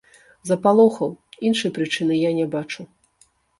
Запалохаў, іншай прычыны я не бачу.